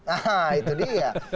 ah itu dia